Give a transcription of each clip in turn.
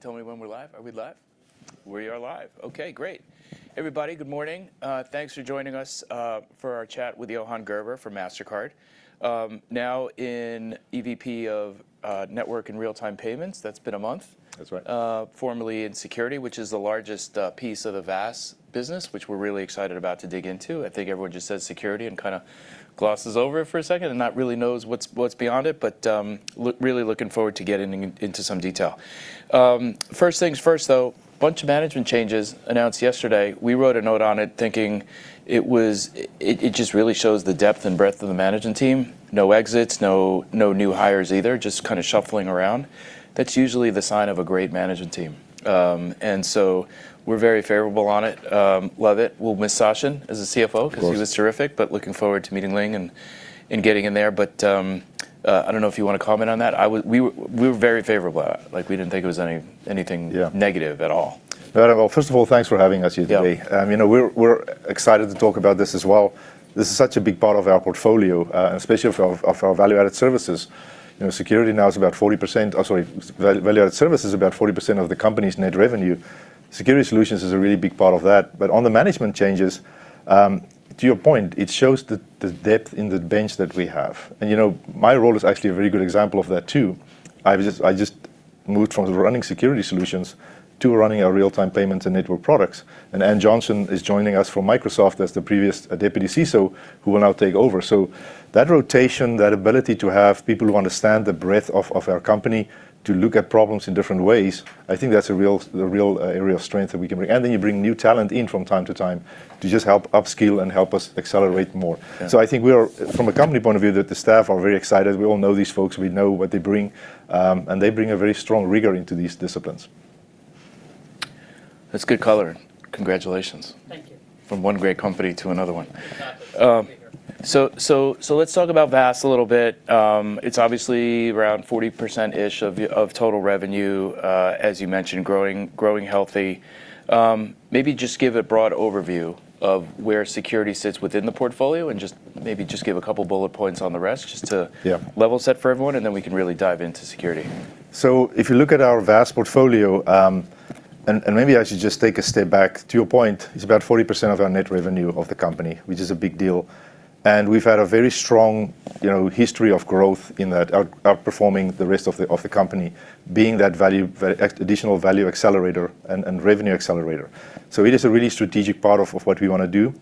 Tell me when we're live. Are we live? We are live. Okay, great. Everybody, good morning. Thanks for joining us for our chat with Johan Gerber from Mastercard. Now in EVP of Network and Real-Time Payments. That's been a month. That's right. Formerly in Security, which is the largest piece of the VAS business, which we're really excited about to dig into. I think everyone just says security and kind of glosses over it for a second and not really knows what's beyond it. Really looking forward to getting into some detail. First things first, though, bunch of management changes announced yesterday. We wrote a note on it, thinking it just really shows the depth and breadth of the management team. No exits, no new hires either, just kind of shuffling around. That's usually the sign of a great management team. We're very favorable on it. Love it. We'll miss Sachin as the CFO. Of course. because he was terrific, but looking forward to meeting Ling and getting in there. I don't know if you want to comment on that? We were very favorable. We didn't think it was anything. Yeah Negative at all. No, well, first of all, thanks for having us here today. Yeah. We're excited to talk about this as well. This is such a big part of our portfolio, and especially of our Value-Added Services. Security now is about 40%. Sorry. Value-Added Service is about 40% of the company's net revenue. Security Solutions is a really big part of that. On the management changes, to your point, it shows the depth in the bench that we have. My role is actually a very good example of that, too. I just moved from running Security Solutions to running our Network Products and Real-Time Payments, and Ann Johnson is joining us from Microsoft as the previous deputy CISO, who will now take over. That rotation, that ability to have people who understand the breadth of our company, to look at problems in different ways, I think that's a real area of strength that we can bring. You bring new talent in from time-to-time to just help upskill and help us accelerate more. Yeah. I think we are, from a company point of view, that the staff are very excited. We all know these folks. We know what they bring. They bring a very strong rigor into these disciplines. That's good color. Congratulations. Thank you. From one great company to another one. Bigger. Let's talk about VAS a little bit. It's obviously around 40%-ish of total revenue, as you mentioned, growing healthy. Maybe just give a broad overview of where security sits within the portfolio and just maybe just give a couple bullet points on the rest. Yeah level set for everyone, and then we can really dive into security. If you look at our VAS portfolio, and maybe I should just take a step back. To your point, it's about 40% of our net revenue of the company, which is a big deal, and we've had a very strong history of growth in that, outperforming the rest of the company, being that additional value accelerator and revenue accelerator. It is a really strategic part of what we want to do.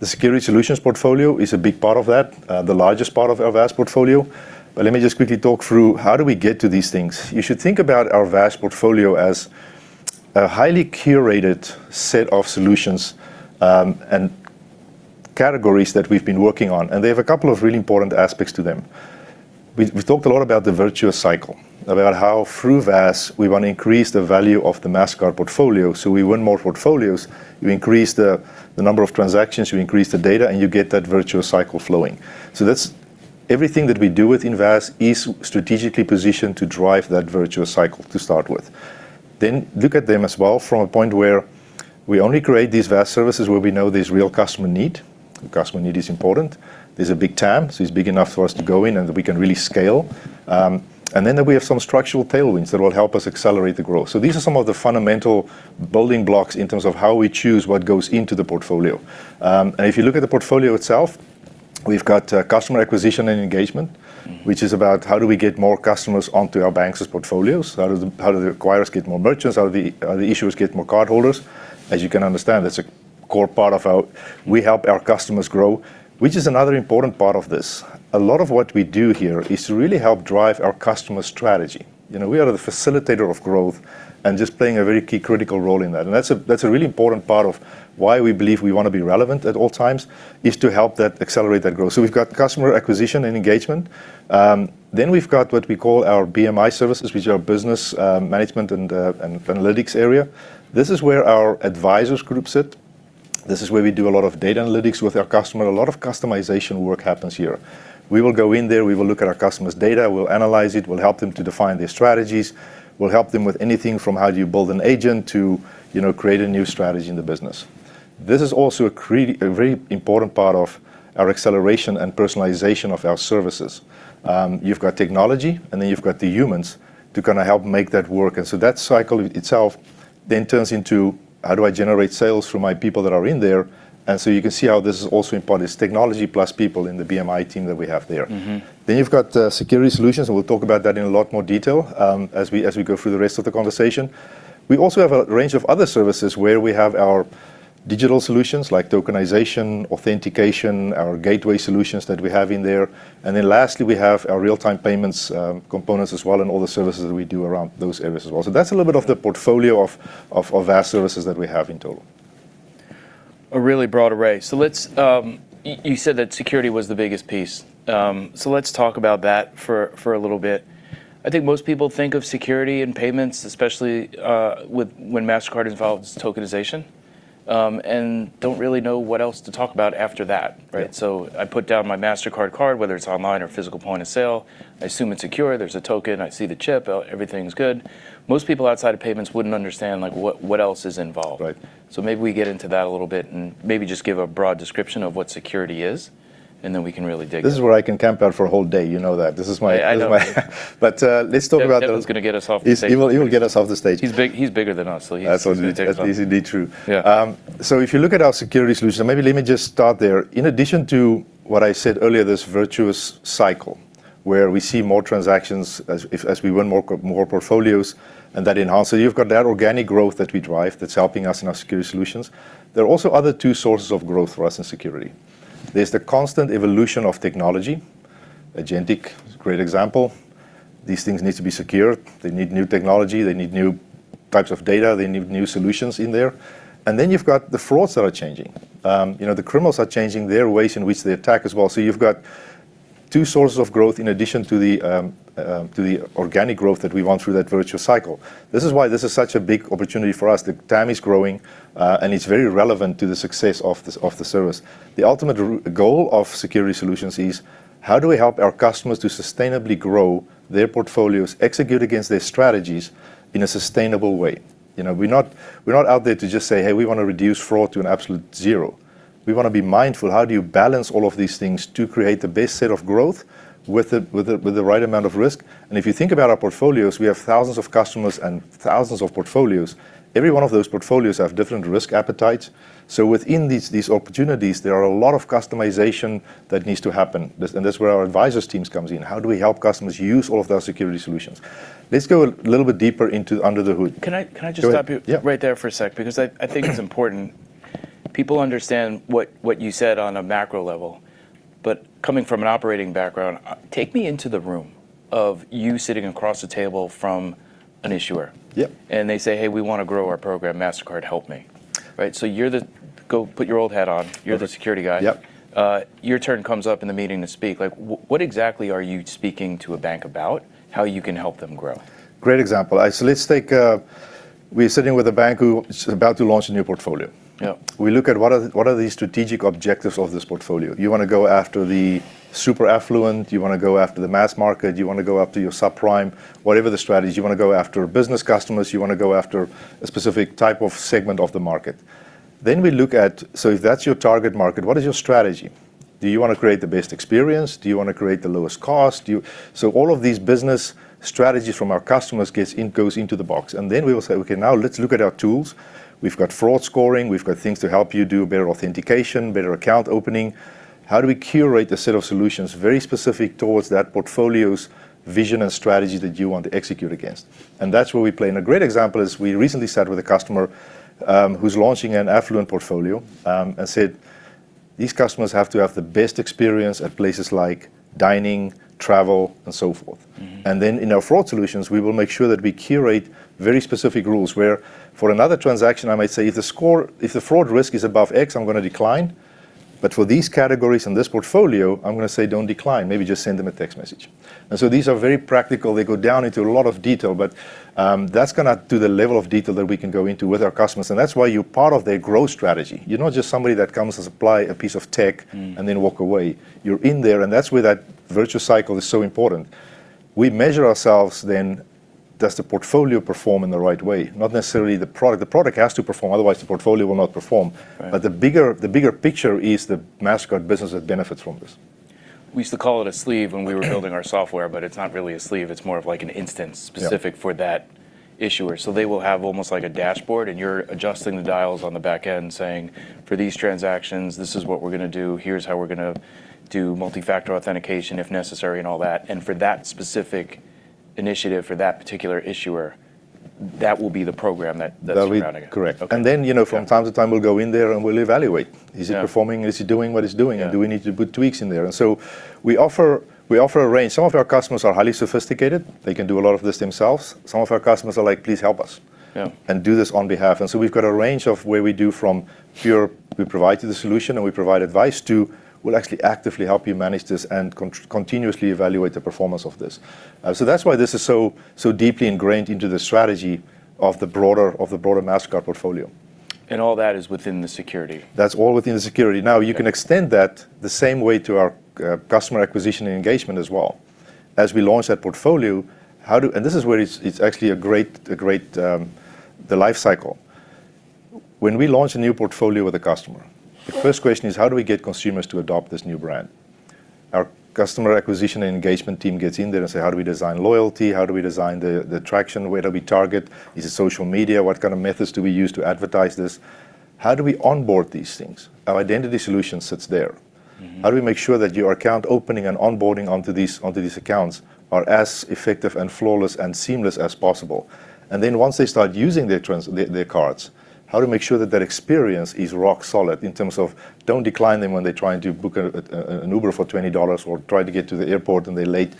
The security solutions portfolio is a big part of that, the largest part of our VAS portfolio. Let me just quickly talk through how do we get to these things. You should think about our VAS portfolio as a highly curated set of solutions, and categories that we've been working on, and they have a couple of really important aspects to them. We've talked a lot about the virtuous cycle, about how through VAS we want to increase the value of the Mastercard portfolio. We win more portfolios, we increase the number of transactions, we increase the data, you get that virtuous cycle flowing. That's everything that we do within VAS is strategically positioned to drive that virtuous cycle to start with. Look at them as well from a point where we only create these VAS services where we know there's real customer need, customer need is important. There's a big TAM, it's big enough for us to go in that we can really scale. That we have some structural tailwinds that will help us accelerate the growth. These are some of the fundamental building blocks in terms of how we choose what goes into the portfolio. If you look at the portfolio itself, we've got customer acquisition and engagement, which is about how do we get more customers onto our banks' portfolios. How do the acquirers get more merchants? How do the issuers get more cardholders? As you can understand, that's a core part of how we help our customers grow, which is another important part of this. A lot of what we do here is to really help drive our customers' strategy. We are the facilitator of growth and just playing a very key, critical role in that. That's a really important part of why we believe we want to be relevant at all times, is to help accelerate that growth. We've got customer acquisition and engagement. We've got what we call our BMI services, which are business management and analytics area. This is where our advisors group sit. This is where we do a lot of data analytics with our customer. A lot of customization work happens here. We will go in there, we will look at our customers' data. We'll analyze it. We'll help them to define their strategies. We'll help them with anything from how do you build an agent to create a new strategy in the business. This is also a very important part of our acceleration and personalization of our services. You've got technology, and then you've got the humans to help make that work. That cycle itself then turns into, how do I generate sales from my people that are in there? You can see how this is also important. It's technology plus people in the BMI team that we have there. You've got Security Solutions, and we'll talk about that in a lot more detail, as we go through the rest of the conversation. We also have a range of other services where we have our digital solutions, like tokenization, authentication, our gateway solutions that we have in there. Lastly, we have our real-time payments components as well, and all the services that we do around those areas as well. That's a little bit of the portfolio of VAS services that we have in total. A really broad array. You said that security was the biggest piece. Let's talk about that for a little bit. I think most people think of security and payments, especially, when Mastercard involves tokenization and don't really know what else to talk about after that, right? Yeah. I put down my Mastercard card, whether it's online or physical point-of-sale. I assume it's secure. There's a token, I see the chip, everything's good. Most people outside of payments wouldn't understand what else is involved. Right. Maybe we get into that a little bit and maybe just give a broad description of what security is, and then we can really dig in. This is where I can camp out for a whole day, you know that. Yeah, I know. Let's talk about- Devin's going to get us off the stage. He will get us off the stage. He's bigger than us. That's indeed true. Yeah. If you look at our security solution, maybe let me just start there. In addition to what I said earlier, this virtuous cycle where we see more transactions as we win more portfolios, and that enhances. You've got that organic growth that we drive that's helping us in our security solutions. There are also other two sources of growth for us in security. There's the constant evolution of technology. Agentic is a great example. These things need to be secure. They need new technology. They need new types of data. They need new solutions in there. You've got the frauds that are changing. The criminals are changing their ways in which they attack as well. You've got two sources of growth in addition to the organic growth that we want through that virtuous cycle. This is why this is such a big opportunity for us. The TAM is growing. It's very relevant to the success of the service. The ultimate goal of security solutions is how do we help our customers to sustainably grow their portfolios, execute against their strategies in a sustainable way? We're not out there to just say, "Hey, we want to reduce fraud to an absolute zero." We want to be mindful, how do you balance all of these things to create the best set of growth with the right amount of risk? If you think about our portfolios, we have thousands of customers and thousands of portfolios. Every one of those portfolios have different risk appetites. Within these opportunities, there are a lot of customization that needs to happen. That's where our advisors teams comes in. How do we help customers use all of their security solutions? Let's go a little bit deeper into under the hood. Can I just stop you? Go ahead. Yeah. Right there for a sec? I think it's important people understand what you said on a macro level. Coming from an operating background, take me into the room of you sitting across the table from an issuer. Yep. They say, "Hey, we want to grow our program, Mastercard, help me." Right? Go put your old hat on. Okay. You're the security guy. Yep. Your turn comes up in the meeting to speak, what exactly are you speaking to a bank about how you can help them grow? Great example. We're sitting with a bank who is about to launch a new portfolio. Yep. We look at what are the strategic objectives of this portfolio. You want to go after the super-affluent, you want to go after the mass market, you want to go after your subprime, whatever the strategy. You want to go after business customers, you want to go after a specific type of segment of the market. We look at, if that's your target market, what is your strategy? Do you want to create the best experience? Do you want to create the lowest cost? All of these business strategies from our customers goes into the box. We will say, "Okay, now let's look at our tools." We've got fraud scoring, we've got things to help you do better authentication, better account opening. How do we curate a set of solutions very specific towards that portfolio's vision and strategy that you want to execute against? That's where we play. A great example is we recently sat with a customer who's launching an affluent portfolio, and said, these customers have to have the best experience at places like dining, travel, and so forth. Then in our fraud solutions, we will make sure that we curate very specific rules where for another transaction, I might say if the fraud risk is above X, I'm going to decline. For these categories in this portfolio, I'm going to say don't decline. Maybe just send them a text message. These are very practical. They go down into a lot of detail, but that's going to do the level of detail that we can go into with our customers. That's why you're part of their growth strategy. You're not just somebody that comes to supply a piece of tech. Walk away. You're in there, and that's where that virtuous cycle is so important. We measure ourselves then, does the portfolio perform in the right way? Not necessarily the product. The product has to perform, otherwise, the portfolio will not perform. Right. The bigger picture is the Mastercard business that benefits from this. We used to call it a sleeve when we were building our software, but it's not really a sleeve, it's more of like an instance. Yeah specific for that issuer. They will have almost like a dashboard, you're adjusting the dials on the back end saying, for these transactions, this is what we're going to do. Here's how we're going to do multi-factor authentication if necessary, and all that. For that specific initiative, for that particular issuer, that will be the program that's running it. Correct. Okay. From time to time, we'll go in there, and we'll evaluate. Yeah. Is it performing? Is it doing what it's doing? Yeah. Do we need to put tweaks in there? We offer a range. Some of our customers are highly sophisticated. They can do a lot of this themselves. Some of our customers are like, "Please help us. Yeah. Do this on behalf. We've got a range of where we do from here, we provide you the solution, and we provide advice to, we'll actually actively help you manage this and continuously evaluate the performance of this. That's why this is so deeply ingrained into the strategy of the broader Mastercard portfolio. All that is within the security? That's all within the security. You can extend that the same way to our customer acquisition and engagement as well. This is where it's actually a great life cycle. When we launch a new portfolio with a customer, the first question is how do we get consumers to adopt this new brand? Our customer acquisition and engagement team gets in there and say, how do we design loyalty? How do we design the traction? Where do we target? Is it social media? What kind of methods do we use to advertise this? How do we onboard these things? Our identity solution sits there. How do we make sure that your account opening and onboarding onto these accounts are as effective and flawless and seamless as possible? Once they start using their cards, how to make sure that their experience is rock solid in terms of don't decline them when they're trying to book an Uber for $20 or try to get to the airport, and they're late.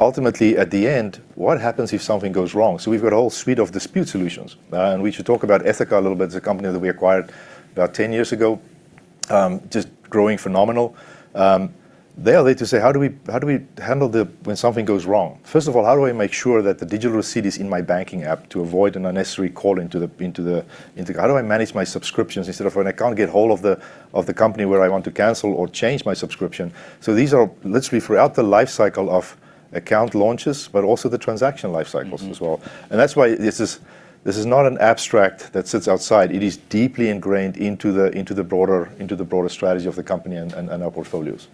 Ultimately, at the end, what happens if something goes wrong? We've got a whole suite of dispute solutions. We should talk about Ethoca a little bit. It's a company that we acquired about 10 years ago. Just growing phenomenal. They are there to say, "How do we handle when something goes wrong? First off all how do I make sure that the digital receipt is in my banking app to avoid an unnecessary call into the? How do I manage my subscriptions instead of when I can't get ahold of the company where I want to cancel or change my subscription? These are literally throughout the life cycle of account launches, but also the transaction life cycles as well. That's why this is not an abstract that sits outside. It is deeply ingrained into the broader strategy of the company and our portfolios.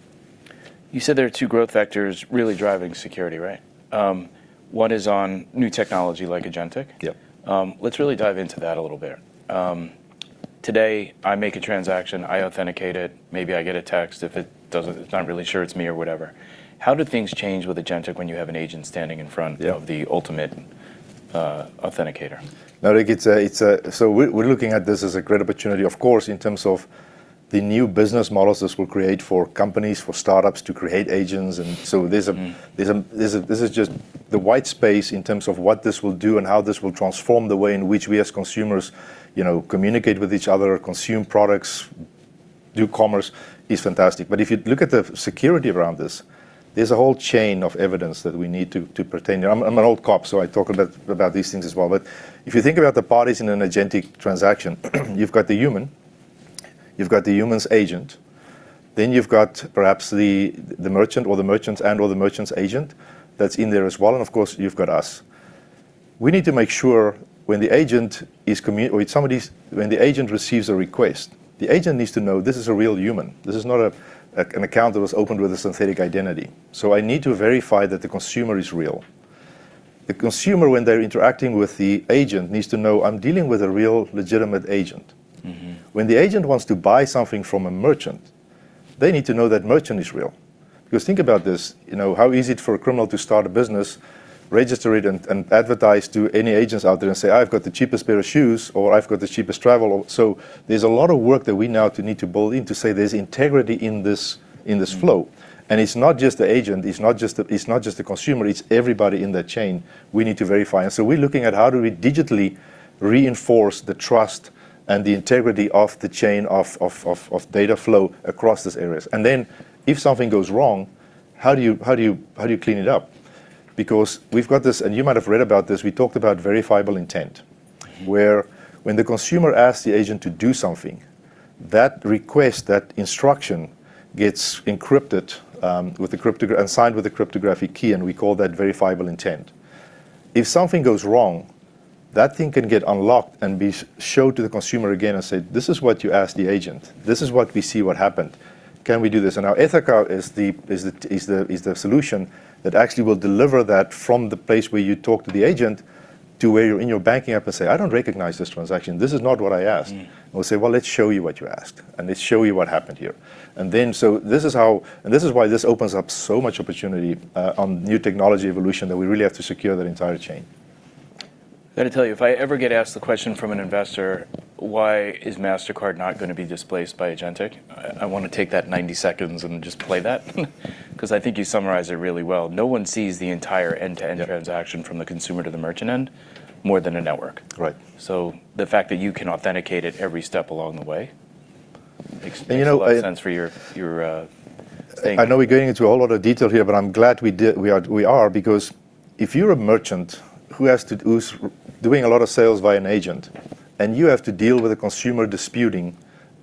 You said there are two growth vectors really driving security, right? One is on new technology like agentic. Yep. Let's really dive into that a little bit. Today, I make a transaction, I authenticate it, maybe I get a text if it's not really sure it's me or whatever. How do things change with agentic when you have an agent standing in front? Yep Of the ultimate authenticator? No, Rick, we're looking at this as a great opportunity, of course, in terms of the new business models this will create for companies, for startups to create agents. This is just the white space in terms of what this will do and how this will transform the way in which we as consumers communicate with each other, consume products, do commerce, is fantastic. If you look at the security around this, there's a whole chain of evidence that we need to pertain. I'm an old cop, so I talk about these things as well. If you think about the parties in an agentic transaction, you've got the human, you've got the human's agent, then you've got perhaps the merchant or the merchant's and/or the merchant's agent that's in there as well, and of course you've got us. We need to make sure when the agent receives a request, the agent needs to know this is a real human. This is not an account that was opened with a synthetic identity. I need to verify that the consumer is real. The consumer, when they're interacting with the agent, needs to know, "I'm dealing with a real legitimate agent. When the agent wants to buy something from a merchant, they need to know that merchant is real. Think about this, how easy it is for a criminal to start a business, register it, and advertise to any agents out there and say, "I've got the cheapest pair of shoes," or "I've got the cheapest travel." There's a lot of work that we now need to build in to say there's integrity in this flow. It's not just the agent, it's not just the consumer, it's everybody in that chain we need to verify. We're looking at how do we digitally reinforce the trust and the integrity of the chain of data flow across these areas. If something goes wrong, how do you clean it up? We've got this, and you might have read about this, we talked about Verifiable Intent. Where when the consumer asks the agent to do something, that request, that instruction, gets encrypted and signed with a cryptographic key. We call that Verifiable Intent. If something goes wrong, that thing can get unlocked and be showed to the consumer again and say, "This is what you asked the agent. This is what we see what happened. Can we do this?" Our Ethoca is the solution that actually will deliver that from the place where you talk to the agent to where you're in your banking app and say, "I don't recognize this transaction. This is not what I asked. We'll say, "Well, let's show you what you asked, and let's show you what happened here." This is why this opens up so much opportunity on new technology evolution that we really have to secure that entire chain. I got to tell you, if I ever get asked the question from an investor, why is Mastercard not going to be displaced by agentic, I want to take that 90 seconds and just play that because I think you summarized it really well. No one sees the entire end-to-end transaction. Yep from the consumer to the merchant end more than a network. Right. The fact that you can authenticate it every step along the way. You know. A lot of sense for your thing. I know we're getting into a whole lot of detail here, but I'm glad we are because if you're a merchant who's doing a lot of sales by an agent, and you have to deal with a consumer disputing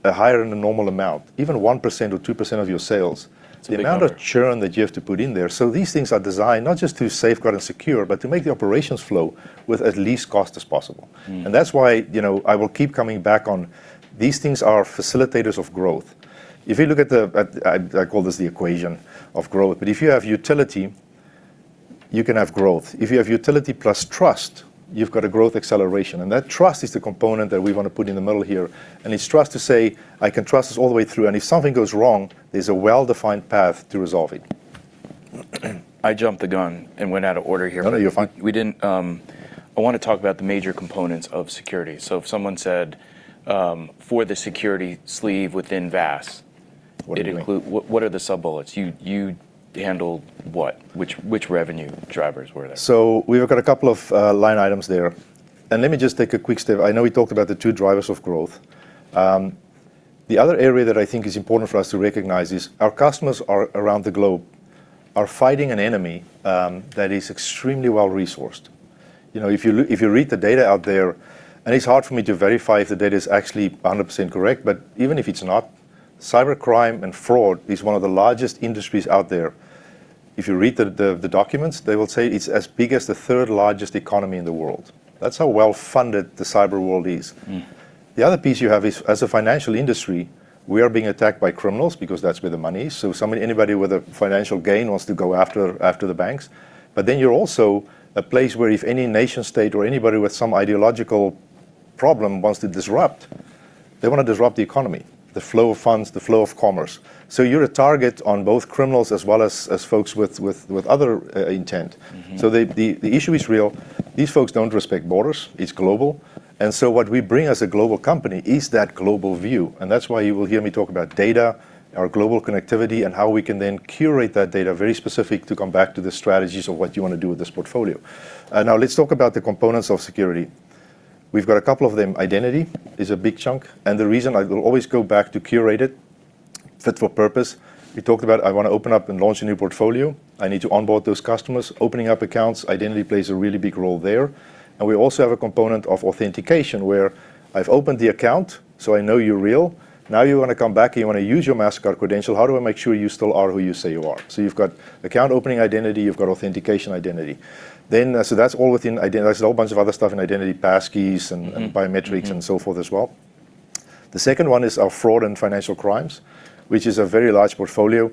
a higher than normal amount, even 1% or 2% of your sales. It's a big number. the amount of churn that you have to put in there. These things are designed not just to safeguard and secure, but to make the operations flow with as least cost as possible. That's why I will keep coming back on these things are facilitators of growth. If you look at I call this the equation of growth, if you have utility, you can have growth. If you have utility plus trust, you've got a growth acceleration, that trust is the component that we want to put in the middle here, it's trust to say, "I can trust this all the way through, and if something goes wrong, there's a well-defined path to resolve it. I jumped the gun and went out of order here. No, no, you're fine. I want to talk about the major components of security. If someone said, for the security sleeve within VAS. What do you mean? What are the sub-bullets? You handle what? Which revenue drivers were there? We've got a couple of line items there, and let me just take a quick step. I know we talked about the two drivers of growth. The other area that I think is important for us to recognize is our customers around the globe are fighting an enemy that is extremely well-resourced. If you read the data out there, and it's hard for me to verify if the data's actually 100% correct, but even if it's not, cybercrime and fraud is one of the largest industries out there. If you read the documents, they will say it's as big as the third largest economy in the world. That's how well-funded the cyber world is. The other piece you have is, as a financial industry, we are being attacked by criminals because that's where the money is. Anybody with a financial gain wants to go after the banks. You're also a place where if any nation-state or anybody with some ideological problem wants to disrupt, they want to disrupt the economy, the flow of funds, the flow of commerce. You're a target on both criminals as well as folks with other intent. The issue is real. These folks don't respect borders. It's global. What we bring as a global company is that global view, and that's why you will hear me talk about data, our global connectivity, and how we can then curate that data very specific to come back to the strategies of what you want to do with this portfolio. Let's talk about the components of security. We've got a couple of them. Identity is a big chunk, and the reason I will always go back to curated, fit for purpose. We talked about I want to open up and launch a new portfolio. I need to onboard those customers. Opening up accounts, identity plays a really big role there. We also have a component of authentication where I've opened the account, so I know you're real. Now you want to come back, and you want to use your Mastercard credential. How do I make sure you still are who you say you are? You've got account opening identity, you've got authentication identity. There's a whole bunch of other stuff in identity, passkeys and biometrics and so forth as well. The second one is our fraud and financial crimes, which is a very large portfolio.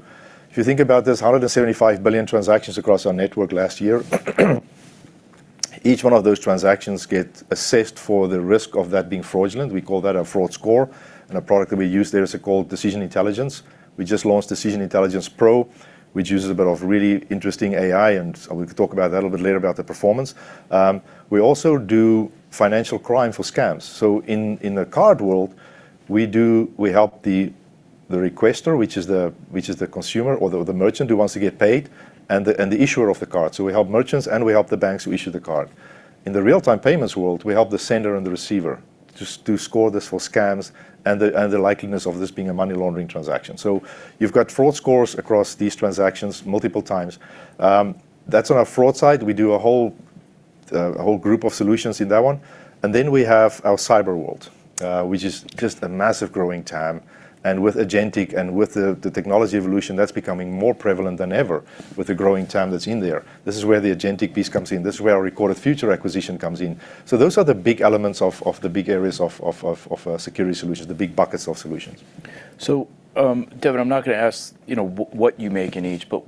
If you think about this, 175 billion transactions across our network last year. Each one of those transactions get assessed for the risk of that being fraudulent. We call that a fraud score, and a product that we use there is called Decision Intelligence. We just launched Decision Intelligence Pro, which uses a bit of really interesting AI, and we can talk about that a little bit later about the performance. We also do financial crime for scams. In the card world, we help the requester, which is the consumer or the merchant who wants to get paid, and the issuer of the card. We help merchants, and we help the banks who issue the card. In the real-time payments world, we help the sender and the receiver to score this for scams and the likeliness of this being a money laundering transaction. You've got fraud scores across these transactions multiple times. That's on our fraud side. We do a whole group of solutions in that one. Then we have our cyber world, which is just a massive growing TAM, and with agentic and with the technology evolution, that's becoming more prevalent than ever with the growing TAM that's in there. This is where the agentic piece comes in. This is where our Recorded Future acquisition comes in. Those are the big elements of the big areas of security solutions, the big buckets of solutions. Devin, I'm not going to ask what you make in each, but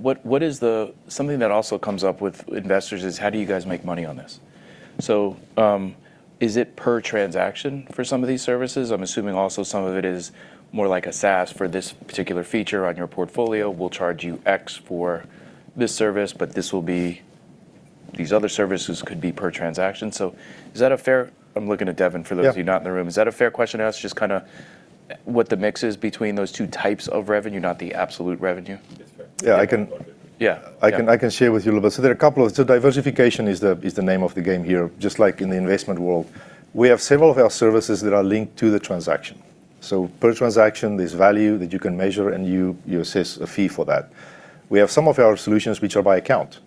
something that also comes up with investors is how do you guys make money on this? Is it per transaction for some of these services? I'm assuming also some of it is more like a SaaS for this particular feature on your portfolio, we'll charge you X for this service, but these other services could be per transaction. Is that a fair--? I'm looking at Devin for those of you not in the room. Yeah. Is that a fair question to ask, just what the mix is between those two types of revenue, not the absolute revenue? That's correct. Yeah. I can share with you a little bit. Diversification is the name of the game here, just like in the investment world. We have several of our services that are linked to the transaction. Per transaction, there's value that you can measure, and you assess a fee for that. We have some of our solutions which are by account.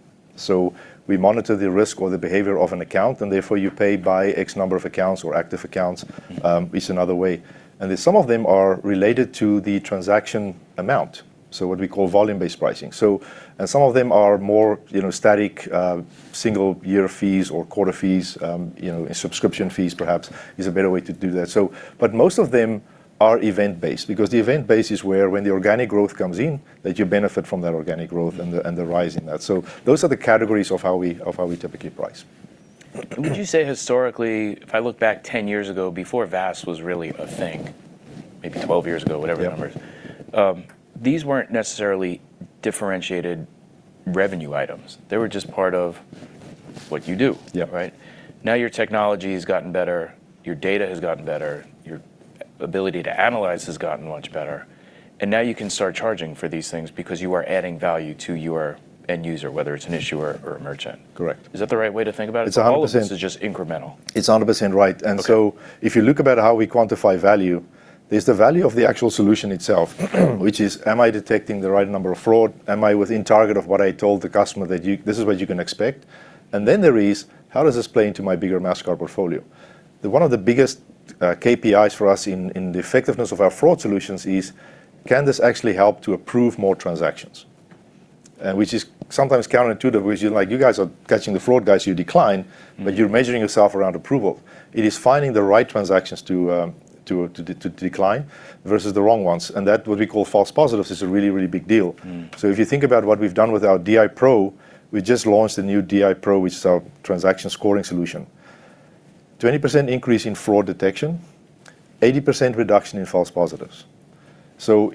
We monitor the risk or the behavior of an account, and therefore you pay by X number of accounts or active accounts, is another way. Some of them are related to the transaction amount, what we call volume-based pricing. Some of them are more static, single-year fees or quarter fees, subscription fees perhaps is a better way to do that. Most of them are event-based because the event-based is where when the organic growth comes in, that you benefit from that organic growth and the rise in that. Those are the categories of how we typically price. Would you say historically, if I look back 10 years ago, before VAS was really a thing, maybe 12 years ago, whatever the numbers? Yeah. These weren't necessarily differentiated revenue items. They were just part of what you do. Yeah. Right? Now your technology's gotten better, your data has gotten better, your ability to analyze has gotten much better, and now you can start charging for these things because you are adding value to your end user, whether it's an issuer or a merchant. Correct. Is that the right way to think about it? It's 100%. All of this is just incremental. it's 100% right. Okay. If you look about how we quantify value, there's the value of the actual solution itself, which is, am I detecting the right number of fraud? Am I within target of what I told the customer that this is what you can expect? There is, how does this play into my bigger Mastercard portfolio? One of the biggest KPIs for us in the effectiveness of our fraud solutions is can this actually help to approve more transactions? Sometimes counterintuitive, which is like you guys are catching the fraud guys you decline, but you're measuring yourself around approval. It is finding the right transactions to decline versus the wrong ones. That, what we call false positives, is a really, really big deal. If you think about what we've done with our DI Pro, we just launched a new DI Pro, which is our transaction scoring solution. 20% increase in fraud detection, 80% reduction in false positives. The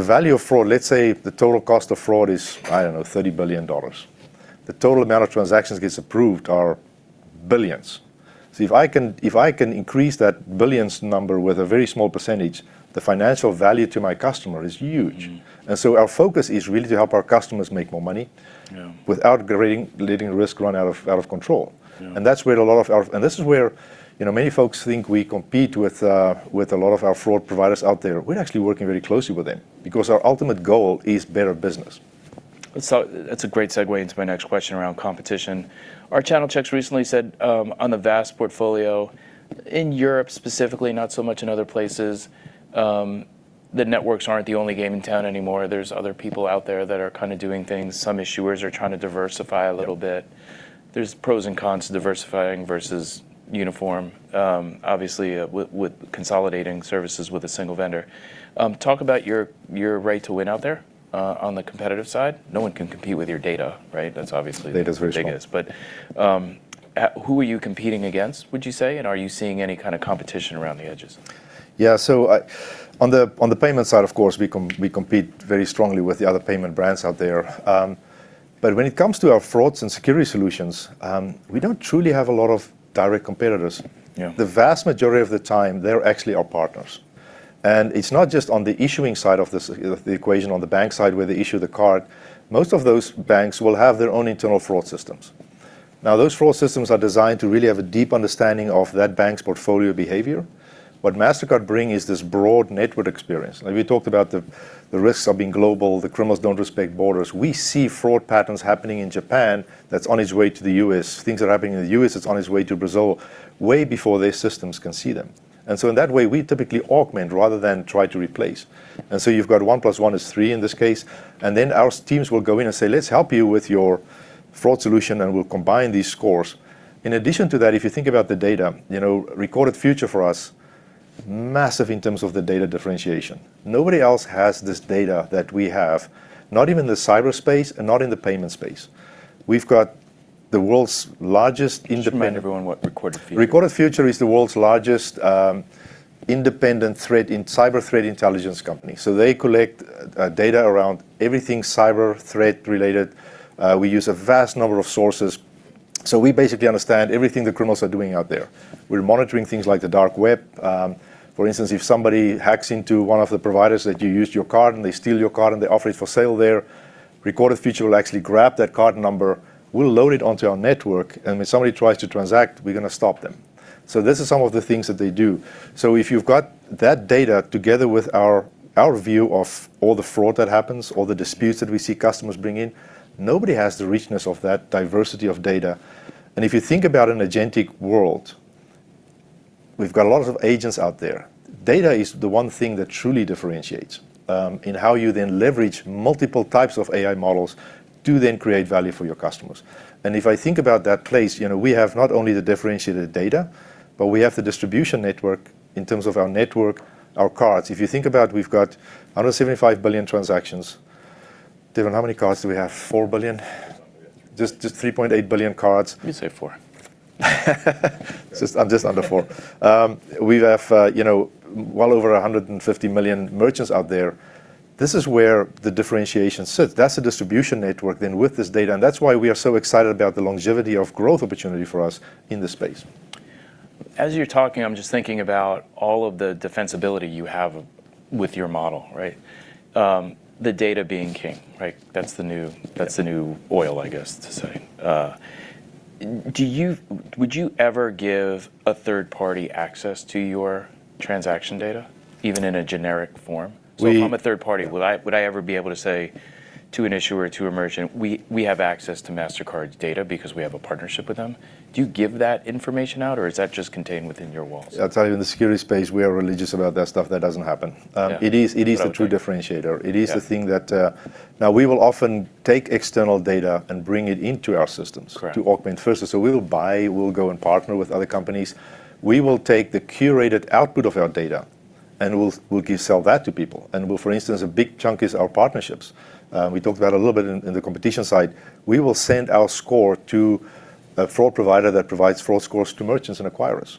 value of fraud, let's say the total cost of fraud is, I don't know, $30 billion. The total amount of transactions gets approved are billions. If I can increase that billions number with a very small percentage, the financial value to my customer is huge. Our focus is really to help our customers make more money. Yeah without letting risk run out of control. Yeah. This is where many folks think we compete with a lot of our fraud providers out there. We're actually working very closely with them because our ultimate goal is better business. That's a great segue into my next question around competition. Our channel checks recently said, on the vast portfolio in Europe specifically, not so much in other places, the networks aren't the only game in town anymore. There's other people out there that are kind of doing things. Some issuers are trying to diversify a little bit. There's pros and cons to diversifying versus uniform, obviously with consolidating services with a single vendor. Talk about your right to win out there on the competitive side. No one can compete with your data, right? Data is very strong. The biggest. Who are you competing against, would you say? Are you seeing any kind of competition around the edges? Yeah, on the payment side, of course, we compete very strongly with the other payment brands out there. When it comes to our frauds and security solutions, we don't truly have a lot of direct competitors. Yeah. The vast majority of the time, they're actually our partners. It's not just on the issuing side of the equation, on the bank side, where they issue the card. Most of those banks will have their own internal fraud systems. Those fraud systems are designed to really have a deep understanding of that bank's portfolio behavior. What Mastercard brings is this broad network experience. We talked about the risks of being global, the criminals don't respect borders. We see fraud patterns happening in Japan that's on its way to the U.S., things that are happening in the U.S. that's on its way to Brazil way before their systems can see them. In that way, we typically augment rather than try to replace. You've got one plus one is three in this case, and then our teams will go in and say, "Let's help you with your fraud solution, and we'll combine these scores." In addition to that, if you think about the data, Recorded Future for us, massive in terms of the data differentiation. Nobody else has this data that we have, not even the cyberspace and not in the payment space. We've got the world's largest independent. Just remind everyone what Recorded Future is. Recorded Future is the world's largest independent cyber threat intelligence company. They collect data around everything cyber threat-related. We use a vast number of sources. We basically understand everything the criminals are doing out there. We're monitoring things like the dark web. For instance, if somebody hacks into one of the providers that you used your card and they steal your card and they offer it for sale there, Recorded Future will actually grab that card number, we'll load it onto our network, and when somebody tries to transact, we're going to stop them. These are some of the things that they do. If you've got that data together with our view of all the fraud that happens, all the disputes that we see customers bring in, nobody has the richness of that diversity of data. If you think about an agentic world, we've got a lot of agents out there. Data is the one thing that truly differentiates in how you then leverage multiple types of AI models to then create value for your customers. If I think about that place, we have not only the differentiated data, but we have the distribution network in terms of our network, our cards. If you think about we've got 175 billion transactions. Devin, how many cards do we have, 4 billion? Something like 3.8. Just 3.8 billion cards. You can say four. Just under four. We have well over 150 million merchants out there. This is where the differentiation sits. That's a distribution network then with this data, and that's why we are so excited about the longevity of growth opportunity for us in this space. As you're talking, I'm just thinking about all of the defensibility you have with your model, right? The data being king, right? That's the new oil, I guess, to say. Would you ever give a third party access to your transaction data, even in a generic form? We- If I'm a third party, would I ever be able to say to an issuer or to a merchant, we have access to Mastercard's data because we have a partnership with them? Do you give that information out, or is that just contained within your walls? I'll tell you, in the security space, we are religious about that stuff. That doesn't happen. Yeah. It is the true differentiator. Yeah. We will often take external data and bring it into our systems. Correct To augment first. We will buy, we'll go and partner with other companies. We will take the curated output of our data, and we'll sell that to people. For instance, a big chunk is our partnerships. We talked about a little bit in the competition side. We will send our score to a fraud provider that provides fraud scores to merchants and acquirers.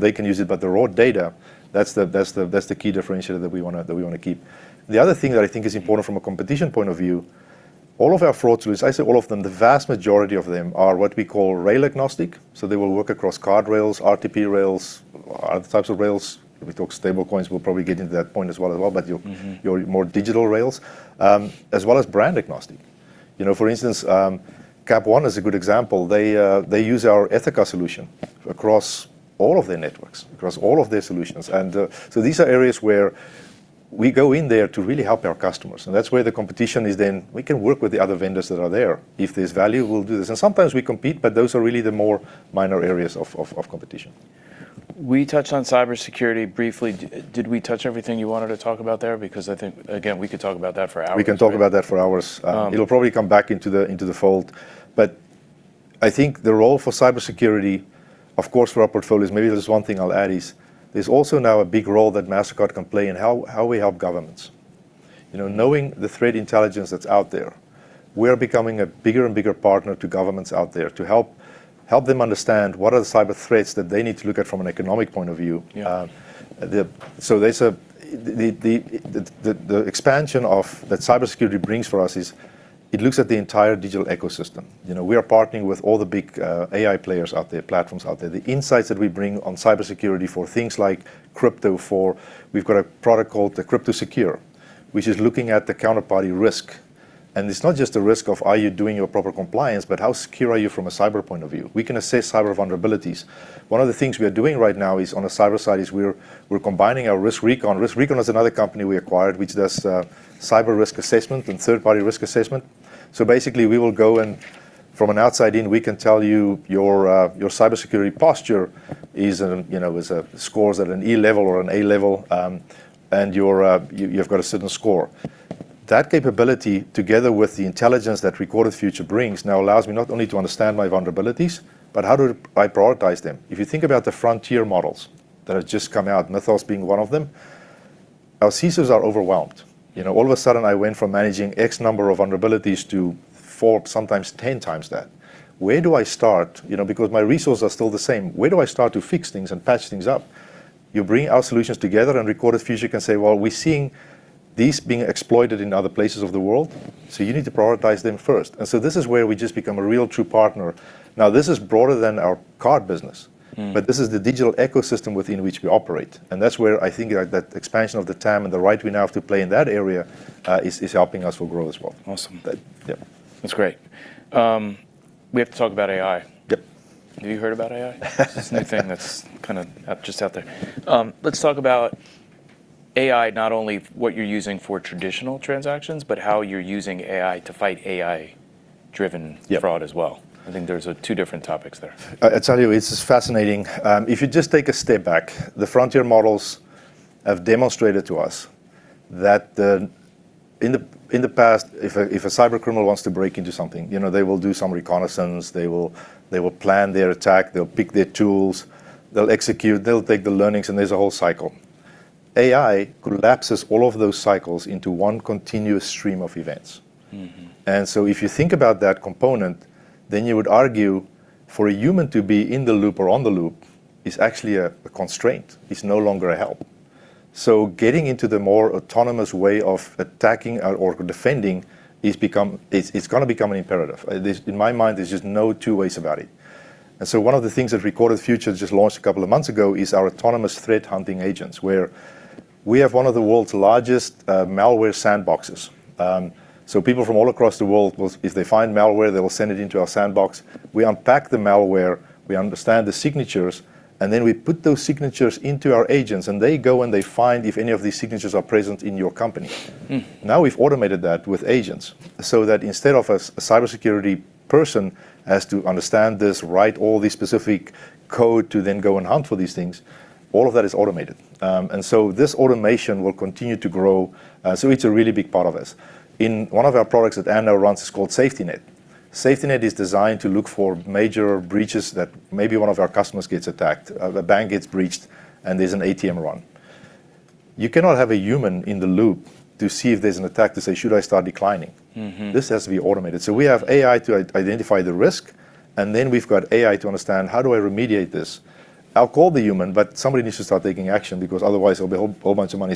They can use it, but the raw data, that's the key differentiator that we want to keep. The other thing that I think is important from a competition point of view, all of our fraud tools, I say all of them, the vast majority of them are what we call rail-agnostic, so they will work across card rails, RTP rails, other types of rails. If we talk stablecoins, we'll probably get into that point as well. More digital rails, as well as brand-agnostic. For instance, Capital One is a good example. They use our Ethoca solution across all of their networks, across all of their solutions. These are areas where we go in there to really help our customers. That's where the competition is, then we can work with the other vendors that are there. If there's value, we'll do this. Sometimes we compete, but those are really the more minor areas of competition. We touched on cybersecurity briefly. Did we touch everything you wanted to talk about there? I think, again, we could talk about that for hours. We can talk about that for hours. Yeah. It'll probably come back into the fold. I think the role for cybersecurity, of course, for our portfolios, maybe there's one thing I'll add is, there's also now a big role that Mastercard can play in how we help governments. Knowing the threat intelligence that's out there, we're becoming a bigger and bigger partner to governments out there to help them understand what are the cyber threats that they need to look at from an economic point of view. Yeah. The expansion of that cybersecurity brings for us is it looks at the entire digital ecosystem. We are partnering with all the big AI players out there, platforms out there. The insights that we bring on cybersecurity for things like crypto. We've got a product called the Crypto Secure, which is looking at the counterparty risk. It's not just a risk of are you doing your proper compliance, but how secure are you from a cyber point of view? We can assess cyber vulnerabilities. One of the things we are doing right now is on a cyber side is we're combining our RiskRecon. RiskRecon is another company we acquired, which does cyber risk assessment and third-party risk assessment. Basically, we will go in from an outside in, we can tell you your cybersecurity posture scores at an E level or an A level, and you've got a certain score. That capability, together with the intelligence that Recorded Future brings, now allows me not only to understand my vulnerabilities, but how do I prioritize them? If you think about the frontier models that have just come out, Mythos being one of them, our CISOs are overwhelmed. All of a sudden, I went from managing X number of vulnerabilities to four, sometimes 10x that. Where do I start? Because my resources are still the same. Where do I start to fix things and patch things up? You bring our solutions together, Recorded Future can say, "Well, we're seeing these being exploited in other places of the world, so you need to prioritize them first." This is where we just become a real true partner. Now, this is broader than our card business. This is the digital ecosystem within which we operate. That's where I think that expansion of the time and the right we now have to play in that area is helping us with growth as well. Awesome. Yeah. That's great. We have to talk about AI. Yep. Have you heard about AI? It's this new thing that's kind of just out there. Let's talk about AI, not only what you're using for traditional transactions, but how you're using AI to fight AI-driven fraud as well. Yep. I think those are two different topics there. I tell you, it's just fascinating. If you just take a step back, the frontier models have demonstrated to us that in the past, if a cyber criminal wants to break into something, they will do some reconnaissance, they will plan their attack, they'll pick their tools, they'll execute, they'll take the learnings, and there's a whole cycle. AI collapses all of those cycles into one continuous stream of events. If you think about that component, then you would argue for a human to be in the loop or on the loop is actually a constraint. It's no longer a help. Getting into the more autonomous way of attacking or defending it's going to become an imperative. In my mind, there's just no two ways about it. One of the things that Recorded Future just launched a couple of months ago is our autonomous threat hunting agents, where we have one of the world's largest malware sandboxes. People from all across the world, if they find malware, they will send it into our sandbox. We unpack the malware, we understand the signatures, and then we put those signatures into our agents, and they go and find if any of these signatures are present in your company. Now we've automated that with agents, so that instead of a cybersecurity person has to understand this, write all the specific code to then go and hunt for these things, all of that is automated. This automation will continue to grow, so it's a really big part of this. In one of our products that Ann now runs, it's called SafetyNet. SafetyNet is designed to look for major breaches that maybe one of our customers gets attacked, a bank gets breached, and there's an ATM run. You cannot have a human in the loop to see if there's an attack to say, "Should I start declining? This has to be automated. We have AI to identify the risk, and then we've got AI to understand, how do I remediate this? I'll call the human, but somebody needs to start taking action because otherwise there'll be a whole bunch of money.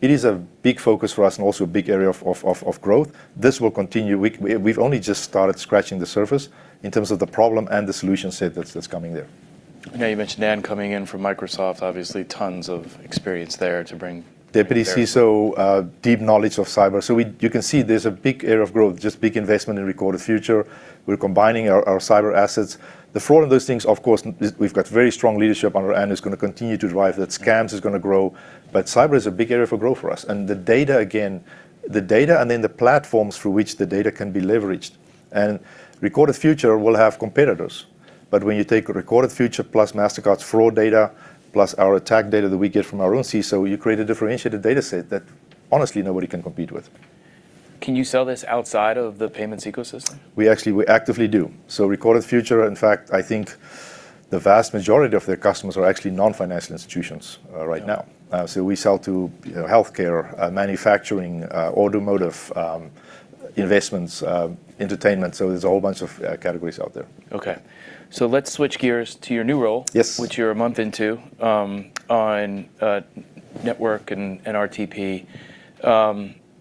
It is a big focus for us and also a big area of growth. This will continue. We've only just started scratching the surface in terms of the problem and the solution set that's coming there. I know you mentioned Ann coming in from Microsoft. Obviously tons of experience there to bring to bear. Deputy CISO, deep knowledge of cyber. You can see there's a big area of growth, just big investment in Recorded Future. We're combining our cyber assets. The fraud of those things, of course, we've got very strong leadership under Ann who's going to continue to drive that. Scams is going to grow, but cyber is a big area for growth for us. The data, again, the data and then the platforms through which the data can be leveraged. Recorded Future will have competitors. When you take Recorded Future plus Mastercard's fraud data, plus our attack data that we get from our own CISO, you create a differentiated data set that honestly nobody can compete with. Can you sell this outside of the payments ecosystem? We actively do. Recorded Future, in fact, I think the vast majority of their customers are actually non-financial institutions right now. We sell to healthcare, manufacturing, automotive, investments, entertainment, so there's a whole bunch of categories out there. Okay. let's switch gears to your new role- Yes Which you're a month into, on network and RTP.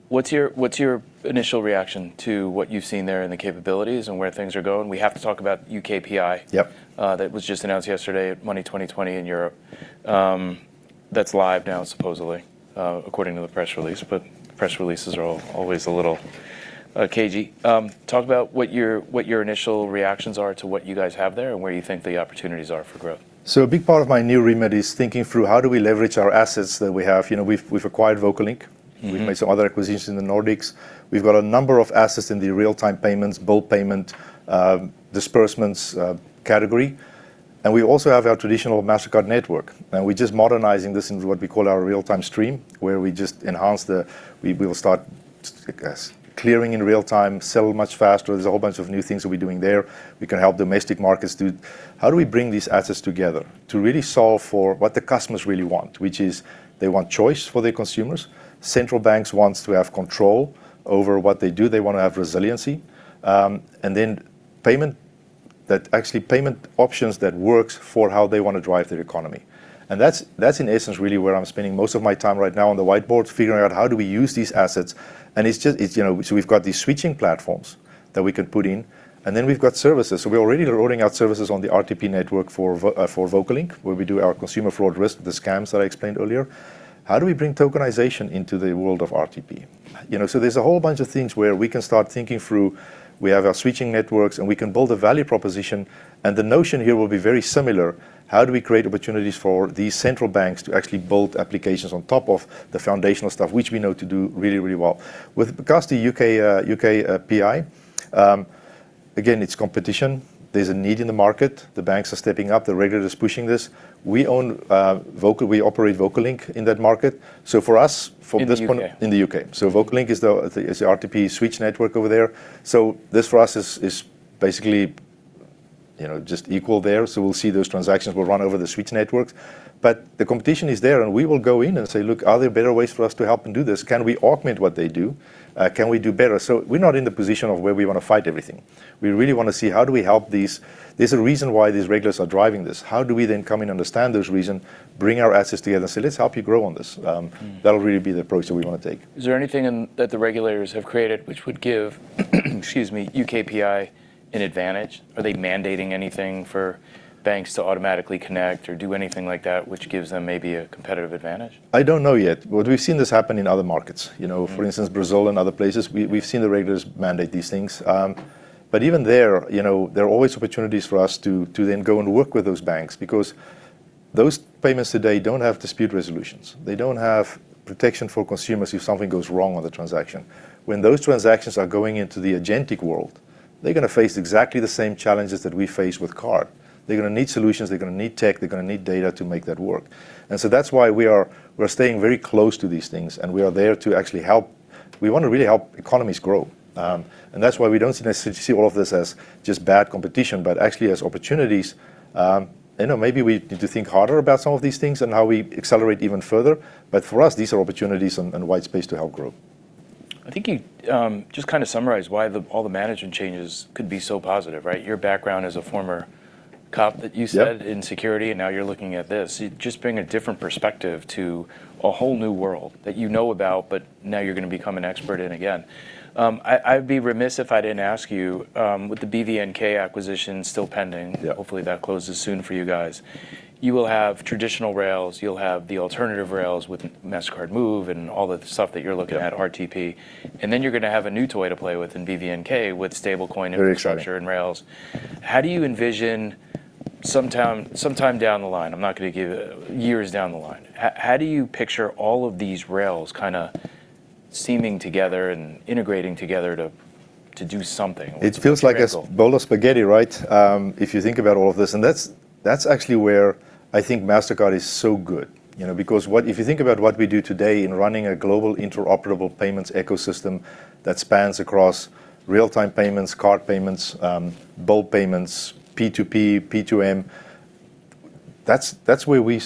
What's your initial reaction to what you've seen there in the capabilities and where things are going? We have to talk about U.K. PI. Yep. That was just announced yesterday at Money20/20 in Europe. That's live now, supposedly, according to the press release, but press releases are always a little cagey. Talk about what your initial reactions are to what you guys have there and where you think the opportunities are for growth. A big part of my new remit is thinking through how do we leverage our assets that we have. We've acquired VocaLink. We've made some other acquisitions in the Nordics. We've got a number of assets in the real-time payments, bulk payment, disbursements category, and we also have our traditional Mastercard network. We're just modernizing this into what we call our real-time stream, where we will start, I guess, clearing in real time, settle much faster. There's a whole bunch of new things that we're doing there. We can help domestic markets, too. How do we bring these assets together to really solve for what the customers really want? They want choice for their consumers. Central banks wants to have control over what they do. They want to have resiliency. Payment options that works for how they want to drive their economy. That's in essence really where I'm spending most of my time right now on the whiteboard, figuring out how do we use these assets, and so we've got these switching platforms that we can put in, and then we've got services. We're already rolling out services on the RTP network for VocaLink, where we do our consumer fraud risk, the scams that I explained earlier. How do we bring tokenization into the world of RTP? There's a whole bunch of things where we can start thinking through. We have our switching networks, and we can build a value proposition, and the notion here will be very similar. How do we create opportunities for these central banks to actually build applications on top of the foundational stuff, which we know to do really, really well? With regards to UK PI, again, it's competition. There's a need in the market. The banks are stepping up. The regulator's pushing this. We operate VocaLink in that market. For us, from this point- In the U.K. In the U.K. VocaLink is the RTP switch network over there. This for us is basically just equal there. We'll see those transactions will run over the switch networks. The competition is there, and we will go in and say, "Look, are there better ways for us to help them do this? Can we augment what they do? Can we do better?" We're not in the position of where we want to fight everything. We really want to see, how do we help these. There's a reason why these regulators are driving this. How do we then come and understand those reasons, bring our assets together, say, "Let's help you grow on this"? That'll really be the approach that we want to take. Is there anything that the regulators have created which would give excuse me, U.K. PI an advantage? Are they mandating anything for banks to automatically connect or do anything like that, which gives them maybe a competitive advantage? I don't know yet, but we've seen this happen in other markets. For instance, Brazil and other places, we've seen the regulators mandate these things. Even there are always opportunities for us to then go and work with those banks because. Those payments today don't have dispute resolutions. They don't have protection for consumers if something goes wrong on the transaction. When those transactions are going into the agentic world, they're going to face exactly the same challenges that we face with card. They're going to need solutions. They're going to need tech. They're going to need data to make that work. That's why we're staying very close to these things, and we are there to actually help. We want to really help economies grow. That's why we don't necessarily see all of this as just bad competition, but actually as opportunities. I know maybe we need to think harder about some of these things and how we accelerate even further, but for us, these are opportunities and wide space to help grow. I think you just summarized why all the management changes could be so positive, right? Your background as a former cop that you said- Yep In security. Now you're looking at this. You just bring a different perspective to a whole new world that you know about, but now you're going to become an expert in again. I'd be remiss if I didn't ask you, with the BVNK acquisition still pending. Yeah hopefully that closes soon for you guys, you will have traditional rails, you'll have the alternative rails with Mastercard Move and all the stuff that you're looking at. Yeah RTP, then you're going to have a new toy to play with in BVNK. Very exciting. Infrastructure and rails. How do you envision sometime down the line, I'm not going to give years down the line, how do you picture all of these rails kind of seaming together and integrating together to do something? What's the vision? It feels like a bowl of spaghetti, right? If you think about all of this, that's actually where I think Mastercard is so good. If you think about what we do today in running a global interoperable payments ecosystem that spans across real-time payments, card payments, bulk payments, P2P, P2M, that's where we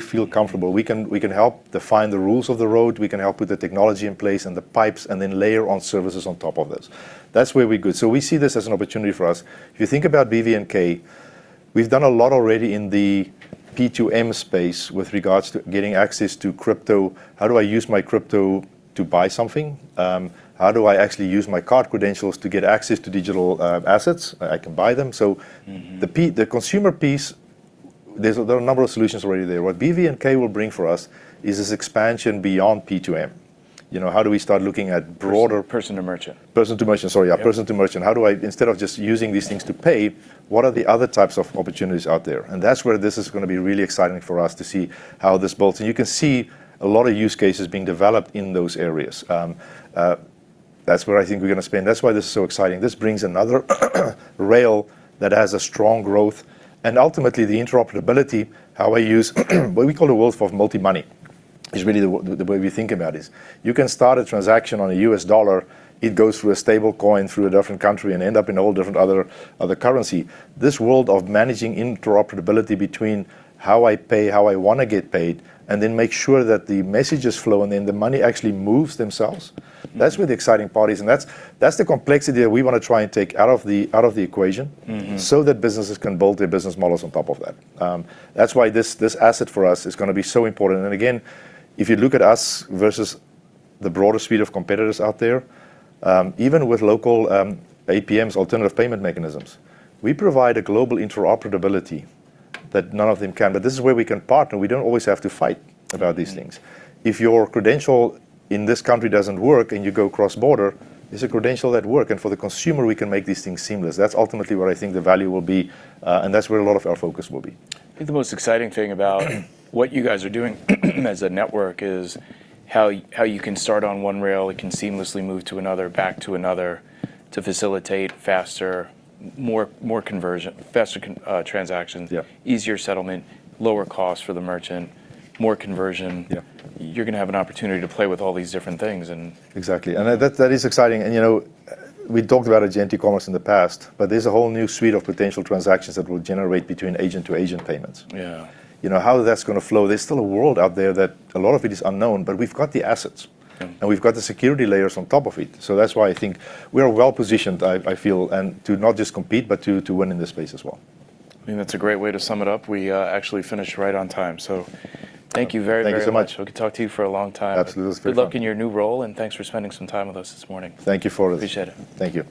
feel comfortable. We can help define the rules of the road. We can help with the technology in place and the pipes, then layer on services on top of it. That's where we're good. We see this as an opportunity for us. If you think about BVNK, we've done a lot already in the P2M space with regards to getting access to crypto. How do I use my crypto to buy something? How do I actually use my card credentials to get access to digital assets? I can buy them. The consumer piece, there are a number of solutions already there. What BVNK will bring for us is this expansion beyond P2M. How do we start looking at broader. Person to merchant Person to merchant, sorry. Yeah. Yeah. Person to merchant. How do I, instead of just using these things to pay, what are the other types of opportunities out there? That's where this is going to be really exciting for us to see how this builds. You can see a lot of use cases being developed in those areas. That's where I think we're going to spend. That's why this is so exciting. This brings another rail that has a strong growth, and ultimately the interoperability, how I use what we call a world of multi-money, is really the way we think about this. You can start a transaction on a US dollar, it goes through a stablecoin through a different country, end up in all different other currency. This world of managing interoperability between how I pay, how I want to get paid, and then make sure that the messages flow, and then the money actually moves themselves. That's where the exciting part is, and that's the complexity that we want to try and take out of the equation. That businesses can build their business models on top of that. That's why this asset for us is going to be so important. Again, if you look at us versus the broader suite of competitors out there, even with local APMs, alternative payment mechanisms, we provide a global interoperability that none of them can. This is where we can partner. We don't always have to fight about these things. If your credential in this country doesn't work and you go cross-border, there's a credential at work. For the consumer, we can make these things seamless. That's ultimately where I think the value will be, and that's where a lot of our focus will be. I think the most exciting thing about what you guys are doing as a network is how you can start on one rail. It can seamlessly move to another, back to another to facilitate faster transactions. Yeah easier settlement, lower cost for the merchant, more conversion. Yeah. You're going to have an opportunity to play with all these different things. Exactly. That is exciting. We talked about agentic commerce in the past, but there's a whole new suite of potential transactions that will generate between agent-to-agent payments. Yeah. How that's going to flow, there's still a world out there that a lot of it is unknown, but we've got the assets. Yeah. We've got the security layers on top of it. That's why I think we are well-positioned, I feel, and to not just compete, but to win in this space as well. I mean, that's a great way to sum it up. We actually finished right on time. Thank you very, very much. Thank you so much. We could talk to you for a long time. Absolutely. It was great fun. Good luck in your new role, and thanks for spending some time with us this morning. Thank you for this. Appreciate it. Thank you.